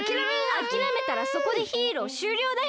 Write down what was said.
あきらめたらそこでヒーローしゅうりょうだよ！